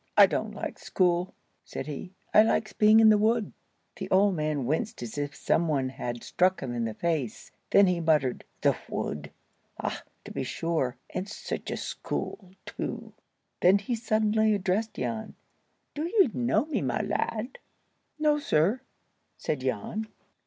"I don't like school," said he, "I likes being in the wood." The old man winced as if some one had struck him in the face, then he muttered, "The wood! Ay, to be sure! And such a school, too!" Then he suddenly addressed Jan. "Do ye know me, my lad?" "No, sir," said Jan.